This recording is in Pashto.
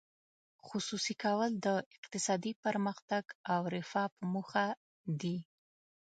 خصوصي کول د اقتصادي پرمختګ او رفاه په موخه دي.